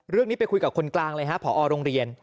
เรื่องนี้ไปคุยกับคนกลางเลยฮะพอโรงเรียน